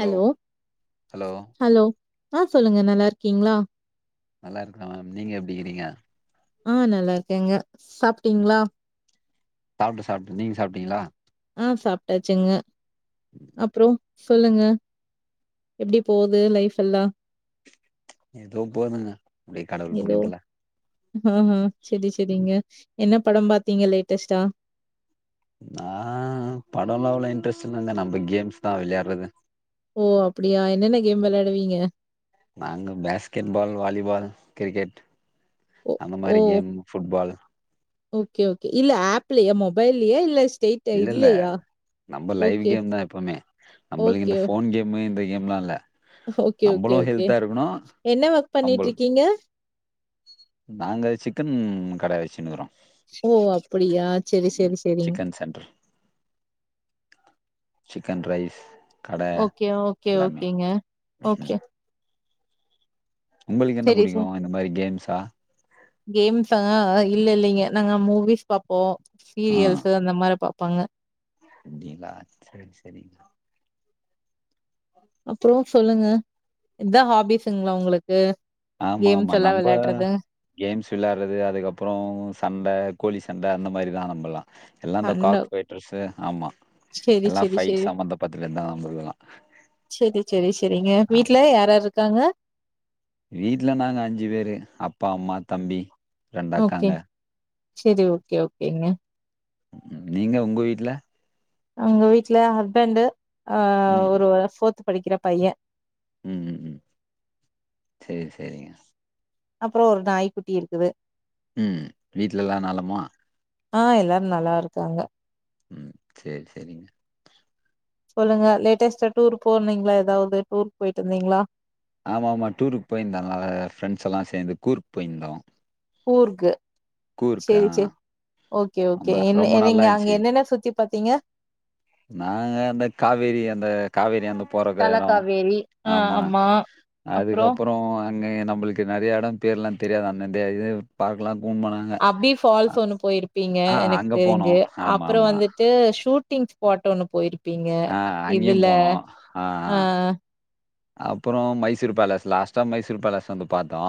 Hello hello hello ஆ சொல்லுங்க நல்லா இருக்கீங்களா? நல்லா இருக்குற மேம். நீங்க எப்டிக்கிறீங்க? ஆ நல்லா இருக்கேங்க. சாப்ட்டீங்களா? சாப்ட்டே சாப்ட்டே நீங்க சாப்ட்டீங்களா. ஆ சாப்ட்டாச்சுங்க. அப்றோ? சொல்லுங்க எப்டி போகுது லைஃப் எல்லா? ஏதோ போதுங்க அப்டியே கடவுள் புண்ணியத்துல. ஹா ஹா செரி செரிங்க. என்ன படம் பாத்தீங்க லேட்டஸ்ட்டா? நா படம்லோ அவ்வளவு இன்ட்ரெஸ்ட் இல்லங்க. நம்போ கேம்ஸ்தா விளையாடுறது. ஓ அப்டியா என்னென்ன கேம் வெளையாடுவீங்க? நாங்க பேஸ்கெட்பால் வாலிபால் கிரிக்கெட் ஓ அந்த ஓ மாரி கேம் ஃபுட்பால் ஓகே ஓகே இல்ல ஆப்லயா மொபைல்லயா இல்ல ஸ்ட்ரெய்ட் இல்ல இல்ல இதுலயா? நம்ப லைவ் ஓகே கேம்தா எப்பவுமே. நம்பளுக்கு ஓகே இந்த ஃபோன் கேமு இந்த கேம்லா இல்ல. ஓகே நம்மளு ஓகே ஓகே ஹெல்தா இருக்கணு என்ன ஒர்க் நம்ப பண்ணிட்ருக்கீங்க? நாங்க சிக்கன் கட வச்சுனுக்கிறோ. ஓ அப்படியா செரி செரி செரிங் சிக்கன் சென்டர் சிக்கன் ரைஸ் கட ஓகே ஓகே எல்லாமே ஓகேங்க ம் ஓகே உங்களுக்கு என்ன புடிக்கு இந்த மாரி கேம்ஸ் லா கேம்ஸா இல்ல இல்லிங்க நாங்க மூவிஸ் பாப்போ. ஆ சீரியல்ஸு அந்த மார பாப் போங்க. அப்டிங்களா சேரி செரிங்க. அப்றோ? சொல்லுங்க இதா ஹா ஆமா ஆமா எல்லாம் நம்ப வெளையாடுறது. கேம்ஸ் வெளையாட்றது அதுக்கப்புறோ சண்ட கோழி சண்ட அந்த மாரி தா நம்பல்லா. எல்லா இந்த அண்ணோ காக் ஃபைட்டர்ஸு ஆமா சரி, எல்லா சரி, ஃபைட் சரி. சம்பந்தப்பட்டதுதா நம்முளுது எல்லா சரி, சரி, சரிங்க. ஆம் வீட்ல ஆ யார் யார் இருக்காங்க? வீட்ல நாங்க அஞ்சு பேரு. அப்பா அம்மா தம்பி ரெண்டு ஓகே அக்காங்க செரி ஓகே ஓகேங்க. நீங்க உங்க வீட்ல எங்க வீட்ல ஹஸ்பண்டு ஆ ம் ஒரு [unintelligible] படிக்கிற பைய ம் ம் ம் சேரி சேரிங்க. அப்றோ ஒரு நாய்க்குட்டி இருக்குது. ம் வீட்ல எல்லா நலமா? ஆ எல்லாரு நல்லா இருக்காங்க. ம் சேரி சேரிங்க. சொல்லுங்க லேட்டஸ்டா டூர் போனீங்களா ஏதாவது டூர் போயிட்டு வந்தீங்களா? ஆமா ஆமா டூருக்கு போயிருந்தோ நாங்க ஃப்ரெண்ட்ஸ் எல்லா சேந்து கூர்க் போயிருந்தோ. கூர்க்கு. கூர்க் ஆ சேரி சேரி ஓகே ஓகே ஆமா ரொம்ப என்ன நல்லா நீங்க அங்க இருந்துச்சு. என்னென்ன சுத்தி பாத்தீங்க? நாங்க அந்த காவேரி அந்த காவேரி அந்த பொறக்க எடோ தலக்காவேரி ஆ ஆமா அப்புறம் அதுக்கப்பறோ இன்னு நம்பளுக்கு நெறைய எடம் பேர்லா தெரியாது அந்தந்த இது பாக்கலாம் அப்பி ஃபால்ஸ் ஒண்ணு போயிருப்பீங்க ஆ எனக்கு அங்க தெரிஞ்சு. போனோம். ஆமா, அப்றோ ஆமா. வந்துட்டு ஷூட் டிங்ஸ் ஸ்பாட் ஒண்ணு போயிரு ப்பீங்க ஆ அங்கேயும் இதுல ஆ அப்புறோ மைசூர் பேலஸ் லாஸ்ட்டா மைசூர் பேலஸ் வந்து பாத்தோ.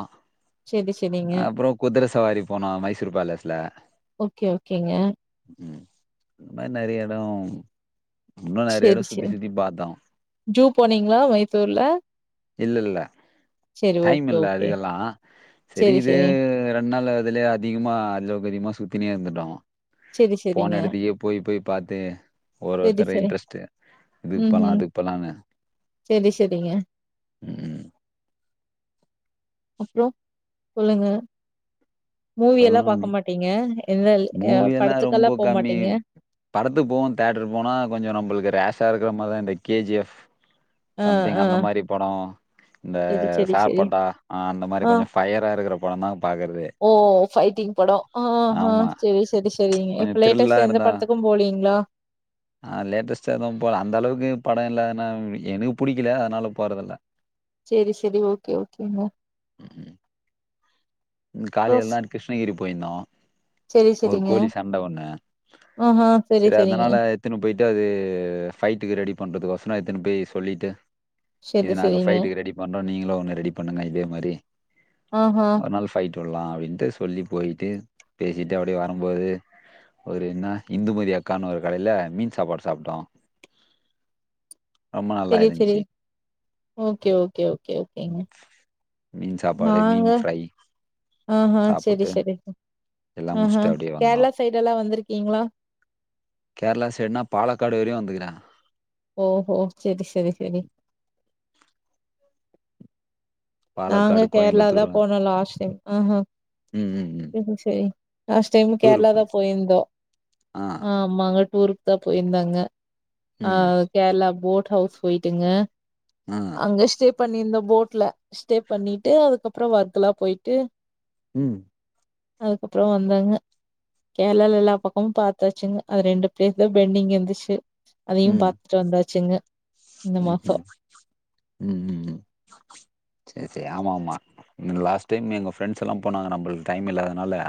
சரி சரிங்க. அப்புறோ குதிர சவாரி போனோ மைசூர் பேலஸ் ல ஓகே ஓகேங்க. ம் இந்த மாரி நெறைய எடோ செரி செரி. ஜூ போனீங்களா மை இல்ல இல்ல சரி டைம் ஓகே இல்ல ஓகே. அதுக்கெல்லா. சரி இது ரெண் ட் நாள்ல அதுலயே அதிகமா அளவுக்கதிகமா சுத்தினே இருந்துட்டோ. சரி போன சரிங்க. எடத்துக்கே போய் போய் பாத்து ஒரு சரி ஒருத்தர சரி. இன்ட்ரெஸ்ட் இதுக்கு போலா ம்ஹ்ம். அதுக்கு போலான்னு சரி சரிங்க. ம் அப்றோ சொல்லுங்க. மூவி எல்லாம் பாக்க சொன்னோமே மாட்டீங்க? எந்த அ மூவி எல்லா ரொம்ப படத்துக்கெல்லாம் போ கம்மி மாட்டீங்க? படத்துக்கு போவோ தியேட்டருக்கு போனா கொஞ்சோ நம்பளுக்கு ரேஷ் ஷா இருக்குற மாரிதா இந்த கே ஜி எஃப் ஆ சம்திங் ஆ. அந்த மாரி படோ இந்த செரி செரி செரி சார்பட்டா ஆ அந்த மாரி கொஞ்சோ ஃபயரா இருக்குற படம்தா பாக்கறது. ஓ ஃபைட்டிங் படோ ஆ ஹா செரி செரி செரிங்க கொஞ்சோ இப்ப த்ரில்லா லேட்டஸ்டா எந்த இருந்தா படத்துக்கும் போலீங்களா? ஆ லேட்டஸ்ட்டா எதும் போல அந்த அளவுக்கு படோ இல்ல ஏன்னா எனுக்கு புடிக்கல அதனால போறதில்ல. செரி செரி ஓகே ஓகேங்க. ம். ம் அப்றோ காலைலதா கிருஷ்ணகிரி போய்ருந்தோ. செரி ஒரு செரிங்க கோழி சண்ட ஒண்ணு. ஆஹா செரி செரிங்க அதனால எத்துன்னு போயிட்டு அது ஃபைட்டுக்கு ரெடி பண்றதுக்கொச ரோ எத்துன்னு போய் சொல்லிட்டு இது செரி நாங்க செரிங்க ஃபைட்டுக்கு ரெடி பண்றோ நீங்களு ஒண்ணு ரெடி பண்ணுங்க இதே மாரி. ஆஹா ஒரு நாள் விட்ருலா அப்டின்ட்டு சொல்லி போயிட்டு பேசிட்டு அப்டியே வரும்போது ஒரு என்னா இந்துமதி அக்கான்னு ஒரு கடைல மீன் சாப்பாடு சாப்ட்டோ. செரி செரி ஓகே ஓகே ஓகே ஓகே ஓகேங்க ம், நாங்க ஆஹா செரி சாப்புட்டு செரி எல்லாம் ஆஹா முச்ட்டு அப்டியே வந்தோ. கேரளா சைடெல்லா வந்திருக்கீங்களா கேரளா சைடுனா பாலக்காடு வரையு வந்துக்கிறே. ஓஹோ செரி செரி செரி நாங்க பாலக்காடு கேரளாதா கோயம்புத்தூர் போனோ லாஸ்ட் டைம். ஆ ஹா ம் ம் ம் செரி செரி லாஸ்ட் டைமு டூருக்கு கேரளாதா போய் போயிருந்தோ ஆ ஆமாங்க டூருக்குதா போயிருந்தோங்க. ஆ ம் கேரளா போட் ஹவுஸ் போய்ட்டுங்க ஆ அங்க ஸ்டே பண்ணிருந்தோ போட்ல. ஸ்டே பண்ணிட்டு அதுக்கப்புறோ வர்க்லா போயிட்டு ம் அதுக்கப்புறோ வந்தோங்க. கேரளால எல்லா பக்கமு பாத்தாச்சுங்க. அது ரெண்டு பிளேஸ்தா பெண்டிங் இருந்துச்சு. அதையு பாத்துட்டு வந்தாச்சுங்க இந்த உம் மாசோ உம் உம் உம் சரி சரி ஆமாமா லாஸ்ட் டைம் எங்க ஃப்ரெண்ட்ஸ் எல்லா போனாங்க நம்பள்க்கு டைம் இல்லாதனால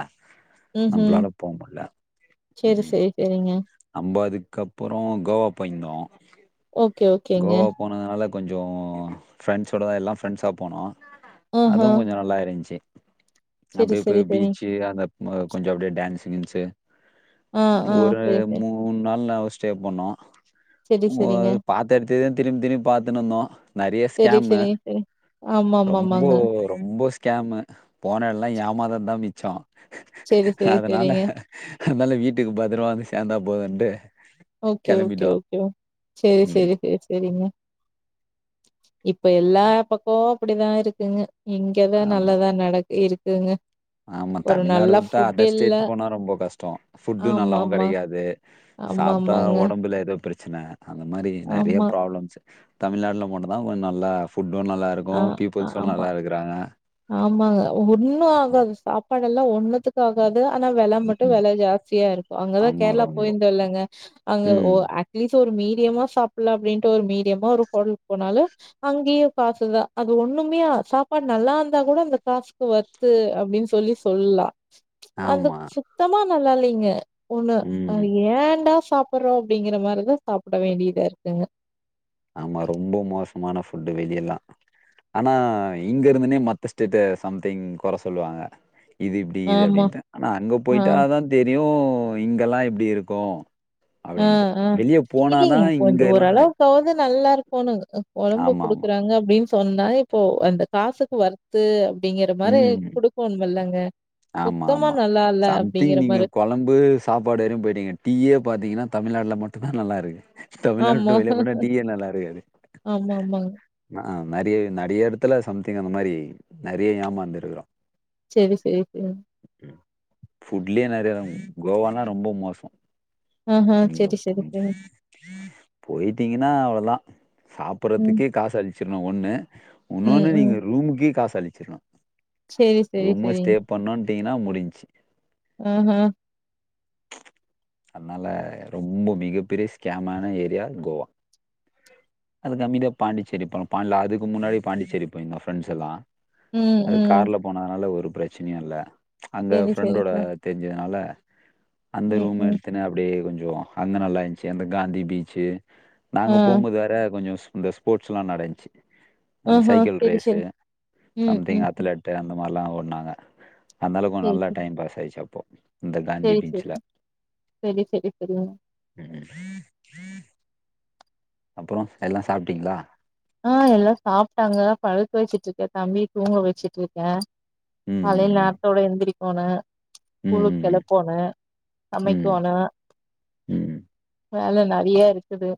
உம் நம்பளால போ முடில செரி செரி செரிங்க நம்ப அதுக்கப்புரோ கோவா போய்ந்தோ ஓகே ஓகேங்க கோவா போனதுனால கொஞ்சோ ஃப்ரெண்ட்ஸோட தா எல்லா ஃப்ரெண்ட்ஸா போனோ ஆஹ அதும் கொஞ்சோ நல்லா இருந்ச்சி செரி அப்டியே செரி போய் செரி பீச்சி அத மா கொஞ்சோ அப்டியே டான்சு கீன்சு ஆ ஆ ஒரு செரி செரி மூன் நாள் நால் ஸ்டே பண்ணோ செரி செரிங்க பாத்த எடத்தையே தா திரும் திரும் பாத்துனுந்தோம் நறைய செரி ஸ்கேமு செரி செரி ஆமா ஆமா ரொம்போ ஆமாங்க ரொம்ப ஸ்கேமு போன ல்லா ஏமாறத் தா மிச்சோ செரி செரி அதனால செரிங்க அதனால வீட்டுக்கு பத்ரவமா வந்து சேந்தாப் போதுண்டு ஓகே ஓகே ஓகே செரி ம். செரி செரி செரிங்க இப்ப எல்லா பக்கோ அப்டிதா இருக்குங்க இங்கதா ஆமா. நல்லதா நடக் இருக்குங்க ஆமா ஒரு தமிழ்நாடு நல்ல உட்டா ஃபுட் அதர் இல்ல. ஸ்டேட் போனா ரொம்ப கஷ்டோ ஃபுட்டு நல்லாவும் ஆமாமா. கெடைக்காது சாப்ட்டா ஆமாமாங்க. ஒடம்புல ஏதோ பிரச் ச்சன அந்த மாரி நறைய ஆமா. ப்ராப்ளம்சு தமிழ்நாடுல மட்டு தா கொஞ்ச நல்லா ஃபுட் ஆ ஆமா ஆமாங்க ஒன்னு ஆகாது சாப்பாடுல்லா ஒண்ணுதுகு ஆகாது கு ஆனா வெல மட்டும் ம். வெல ஜாஸ்தியா இருக்கு அங்கதா ஆமா கேரளா ரொம்ப. போயிருந்தலங்க அங்க ம். அட்லீ்ஸ் ஒரு மீன் மீடியமா சாப்ல அப்டின்ட்டு ஒரு மீடியமா ஒரு ஹோட்டல்க் போனாலு அங்கேயு காசு ல்ல அது ஒண்ணுமையா சாப்பாடு நல்லா இருந்தா கூட அந்த காசுக்கு வர்த்து அப்டின்னு சொல்லி சொல்லா அந்த ஆமா. சுத்தமா நல்லா இல்லைங்க ஒண்ணு அ ம். ஏண்டா சாப்பட்றோ அப்டிங்கிற மாரிதா சாப்ட வேண்டியதா இருக்குங்க. ஆமா ரொம்ப மோசமான ஃபுட்டு் வெளிய எல்லா. ஆனா இங்க இருந்துனே மத்த ஸ்டேட்டு சம்திங் கொற சொல்லுவாங்க. இது இப்டி இது ஆமா. அப்டின்னு ஆனா அங்க ஆ. போய்ட்டாதா தெரியு இங்கெல்லா எப்டி இருக்கு ஆ ஆ இல்லைங்க கொஞ்ச இங்கெல்லாம் ஓரளவுக்காவது நல்லா இருக்கணு அ கொழம்பு ஆமாமா. குடுக்குறாங்க அப்டின் சொன்னா இப்போ அந்த காசுக்கு வொர்த்து அப் டிங்கற மாரி குடுக்கோனுமல்லங் க ஆமா ஆமா சம்திங் நீங்க மாரி. கொழம்பு சாப்பாடு வரையும் போயிட்டீங்க. டீயே பாத்தீங்கன்னா தமிழ்நாட்ல மட்டும்தா நல்லா இருக்கு. தமிழ்நாட்ட ஆமா, விட்டு வெளிய போனா டீயே நல்லா இருக்காது ஆமா, ஆமாங்க. ஆ நெறைய நெறைய எடத்துல சம்திங் அந்த மாரி நெறைய ஏமாந்துருக்குறோ. செரி செரி ஆ றைய கோவாலா ரொம்ப மோசோ. ஆஹா. நீங்க சரி, சரி, அப்றம் சரி. போயிட்டீங்கன்னா அவ்ளதா. [inaudible] ம், சாப்படறுதுக்கே காசு அழிச் சரணு ஒன்னு. உன்னொன்னு நீங்க ரூமுக்கே காசு தளிச்சிரு. செரி செரி செரிங் வன்டீங்கன்னா முடிஞ்ச்சு ஆ ஹா அதனால ரொம்ப மிகப்பெரிய ஸ்கேமான ஏரியா கோவா. அதுக்கு அமைதியா பாண்டிச்சேரி போலா பாண்ட்ல அதுக்கு முன்னாடி பாண்டிச்சேரி போய்ருந்தோ ஃப்ரெண்ட்ஸ் எல்லா ம், அது ம். கார்ல போனதுனால ஒரு பிரச்சினையு இல்ல அங்க சரி, சரி, ஃப்ரெண்டோட சரி. தெரிஞ்சதுனால [unintelligible] அந்த ம், ரூம் ம். எடுத்துனே அப்டியே கொஞ் சோ அங்க நல்லா இருந்துச்சு அந்த காந்தி பீச்சு ஆ, நாங்க போம்போது வேற கொஞ்சோ ஸ் இந்த ஸ்போர்ட்ஸ்லா நடந்ச்சு ஆஹா. சைக்கிள் சரி, ரேசு சரி. ம், சம்திங் ம், ம். அத்லெட் அந்த அதல்லா ஒன்னு ஆகா அந்தளவுக்கு சரி, நல்ல சரி. டைம் பாஸ் ஆயிச்சு அப்போ இந்த காந்தி சரி, சரி. பீச்ல சரி, சரி, சரிங்க. உம் அப்ரோ எல்லா சாப்ட்டீங்ளா ஆ எல்லா சாப்ட்டாங்க படுக்க வச்சிட்ருக்கே தம்பிய தூங்க வச்சிட்ருக்கே காலைல ம் நேரத்தோட எந்திரிக் போனே ம் ம் ஸ்கூலுக்கு கிளப்போணு ம் சமைக்கோணு ம் ம் வேல நறையா இருக்குது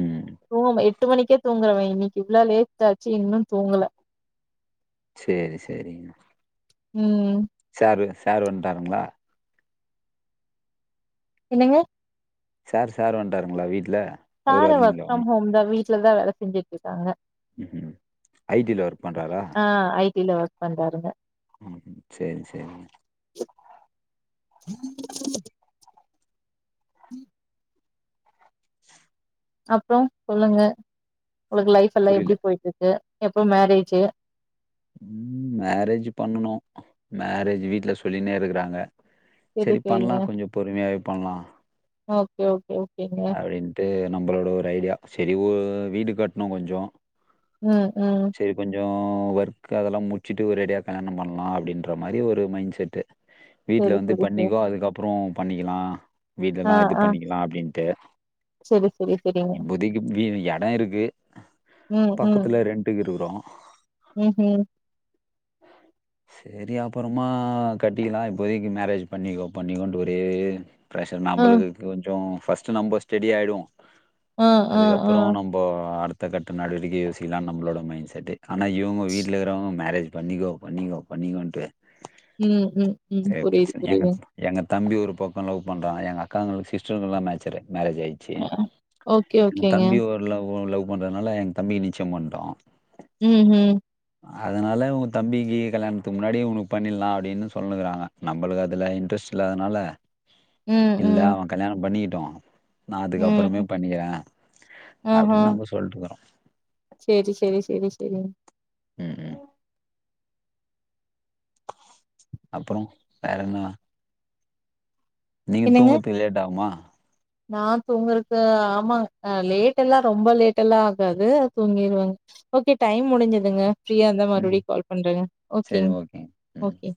ம் [unintelligible] எட்டு மணிக்கு தூங்கறவன் இன்னிக்கி இவ்லோ லேடாச்சு இன்னு தூங்கல சேரி சேரிங்க உம் சேரு வன்டாருங்களா என்னங்க சேரு வந்ண்டாருங்களா வீட்ல அவரு சாரு ஒர்க் வரலீங்களா ஃப்ரம் ஹோம் தா வீட் ல தா வேல செஞ்சுட்ருக்காங்க ம் ம் ஐ டில ஒர்க் பண்றாரா வந்தாருங்க உம் ம் சேரி சேரிங்க உம் [inaudible] உம் [unintelligible] அப்ரோ சொல்லுங்க உங்ளுக்கு லைஃப் எல்லா புரில எப்டி போயிட்ருக்கு எப்ப மேரேஜ்ஜூ உம் மேரேஜ் பண்ணனு மேரேஜ் வீட்ல சொல்லினே இருக்கறாங்க சரி, செரி பண்லா சரிங்க. கொஞ்சோ பொறுமையாவே பண்லா ஓகே ஓகே ஓக் அப்டின்ட்டு நம்பளோட ஒரு ஐடியா சரி வூ வீடு கட்ணு கொஞ்சோ உம் உம் சோ ஒர்க் அதெல்லா முடிச்சிட்டு ஒரேடியா கல்யாணம் பண்ணலா அப்டின்ற மாரி ஒரு மைண்ட்செட்டு வீட்ல சரி, வந்து சரி, சரி. பண்ணிக்கோ அதுக்கப்ரோ பண்ணிக்கலா வீடு ஆ, எல்லா இது ஆ. பண்ணிக்கலா அப்டின் ட்டு சரி, சரி, சரிங்க. இப்போதைக்கு எடோ இருக்கு ம், ம். பக்கத்துல ரெண் இருக்குறோ ம்ஹ்ம். சேரி அப்பறமா கட்டிக்கலா இப்போதைக்கு மேரேஜ் பண்ணிக்கோ பண்ணிக்கோண்டு ஒரே ப்ரஷர் ஆ, நம்பளுக்கு கொஞ்சோ ஃபர்ஸ்ட் நம்ப ஸ்டடி ஆய்டுவோ ஆ, ஆ, ஆ. அதுக்கப்புரோ நம்போ அடுத் த்த கட்ட நடவடிக்கையே யோசிக்கலான் நம்பளோட மைண்ட் செட்டே ஆனா இவுங்க வீட்ல இருக்குறவங்க மேரேஜ் பண்ணிக்கோ பண்ணிக்கோ பண்ணிக்கோன்ட்டு உம் உம் உம் புரிது புரிதுங் போக்கம் லவ் பண்ணறாங்க எங்க அக்காங்களுக்கு சிஸ்டருங்க தா மேச்சரே மேரேஜ் ஆயிச்சி அ, அ. ஓகே, ஓகேங்க. தம்பி ஒருலவ்வு லவ் பண்றதுனால எங்க தம்பிக்கு நிச்யோ பண்ட்டோ உம் உம் அதனால உங் தம்பிக்கி கல்யாணத்துக்கு முன்னாடியே உனுக்கு பண்ணிடலா அப்டின்னு சொல்னுகுறாங்க நம்பளுக்கு அதுல இன்ட்ரெஸ்ட் இல்லாததுனால ம், இல்ல ம், அவன் கல்யாணம் பண்ணிட் டும் நான் அதுக்கப்புறமே ம். பண்ணிக்கிறே ஆஹா. அப்டின்னு நம்ப சொல்ட்ருக்கறோ சரி, சரி, சரி, சரிங்க. ம் அப்ரோ வேற என்னலா நீங்க என்னங்க? தூங்குறதுக்கு லேட் ஆகுமா நான் தூங்கறக்கு ஆமாங் அ லேட் எல்லா ரொம்ப லேட் எல்லா ஆகாது தூங்கிருவங்க ஓகே டைம் முடிஞ்சதுங்க ஃப்ரீயா இருந்த ம். மறுபடியு கால் பண்றேங்க சரி ஓகேங் ஓகேங்க. ம். ஓகே